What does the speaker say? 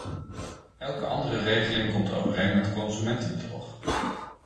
Elke andere regeling komt overeen met consumentenbedrog.